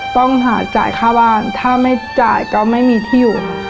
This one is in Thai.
ต้องหาจ่ายค่าบ้านถ้าไม่จ่ายก็ไม่มีที่อยู่